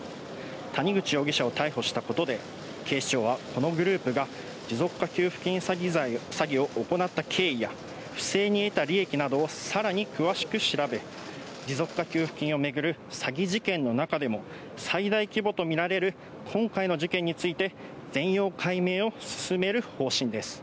谷口容疑者を逮捕したことで、警視庁は、このグループが持続化給付金詐欺を行った経緯や、不正に得た利益などをさらに詳しく調べ、持続化給付金を巡る詐欺事件の中でも最大規模と見られる今回の事件について、全容解明を進める方針です。